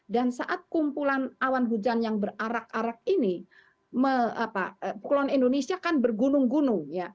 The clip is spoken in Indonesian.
dan saat kumpulan awan hujan yang berarak arak ini kepulauan indonesia kan bergunung gunung